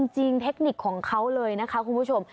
เทคนิคของเขาเลยนะคะคุณผู้ชม